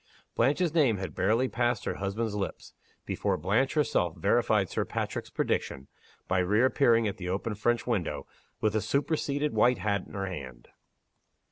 Blanche's name had barely passed her husband's lips before Blanche herself verified Sir Patrick's prediction, by reappearing at the open French window, with the superseded white hat in her hand.